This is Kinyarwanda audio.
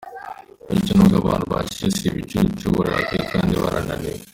Bityo nubwo abantu bacecetse si ibicucu, bararakaye kandi barananiwe!